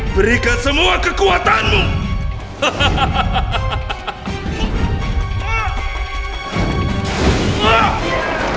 berikan semua kekuatanmu